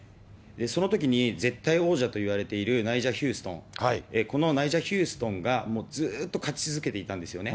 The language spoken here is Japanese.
そのときに、絶対王者といわれているナイジャ・ヒューストン、このナイジャ・ヒューストンが、もうずっと勝ち続けていたんですよね。